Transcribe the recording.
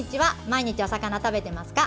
毎日お魚食べてますか？